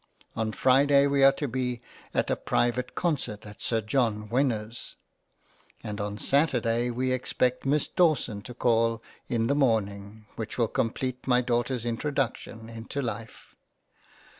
On Friday we are to be at a private Concert at Sir John Wynna's — and on Saturday we expect Miss Dawson to call in the Morning — which will complete my Daughters Introduction into Life.